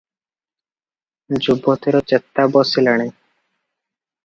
ଯୁବତୀର ଚେତା ବସିଲାଣି ।